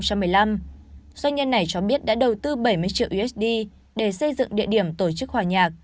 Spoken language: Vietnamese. doanh nhân này cho biết đã đầu tư bảy mươi triệu usd để xây dựng địa điểm tổ chức hòa nhạc